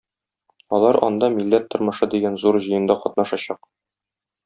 Алар анда "Милләт тормышы" дигән зур җыенда катнашачак.